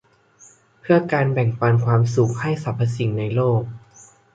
เพื่อการแบ่งปันความสุขให้สรรพสิ่งในโลก